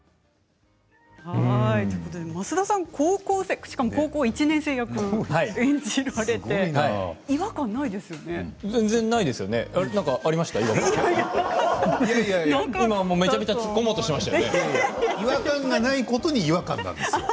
増田さん、高校生しかも高校１年生役を演じられて違和感ないですよね。